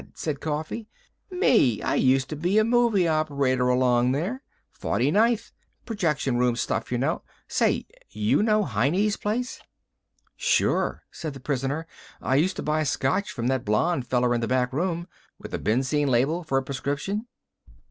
said Coffee. "Me, I used to be a movie operator along there. Forty ninth. Projection room stuff, you know. Say, you know Heine's place?" "Sure," said the prisoner. "I used to buy Scotch from that blond feller in the back room. With a benzine label for a prescription?"